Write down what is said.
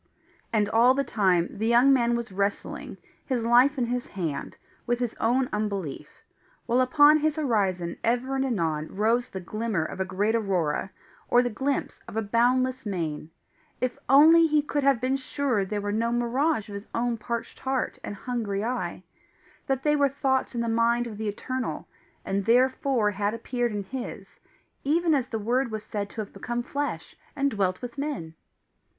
And all the time, the young man was wrestling, his life in his hand, with his own unbelief; while upon his horizon ever and anon rose the glimmer of a great aurora, or the glimpse of a boundless main if only he could have been sure they were no mirage of his own parched heart and hungry eye that they were thoughts in the mind of the Eternal, and THEREFORE had appeared in his, even as the Word was said to have become flesh and dwelt with men!